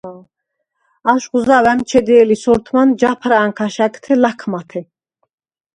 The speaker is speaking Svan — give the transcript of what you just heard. აშხუ̂ ზაუ̂ ა̈მჩედე̄ლი სორთმან ჯაფრა̄ნ ქაშა̈გთე ლა̈ქმათე.